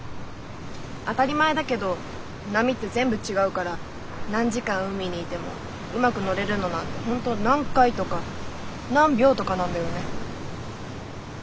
当たり前だけど波って全部違うから何時間海にいてもうまく乗れるのなんて本当何回とか何秒とかなんだよね。